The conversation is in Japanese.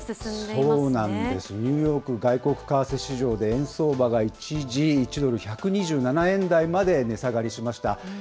そうなんです、ニューヨーク外国為替市場で円相場が一時、１ドル１２７円台まで値下がりしました。